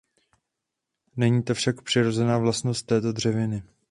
Není to však přirozená vlastnost této dřeviny.